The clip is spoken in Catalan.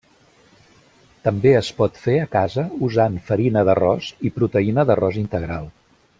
També es pot fer a casa usant farina d'arròs i proteïna d'arròs integral.